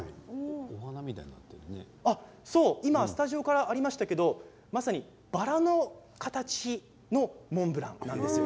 スタジオからありましたけれどもまさにバラの形のモンブランなんですよ。